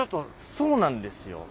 そうなんですよ！